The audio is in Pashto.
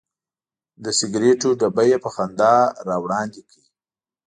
د سګرټو ډبی یې په خندا راوړاندې کړ.